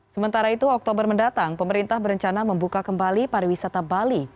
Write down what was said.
sementara itu oktober mendatang pemerintah berencana membuka kembali pariwisata bali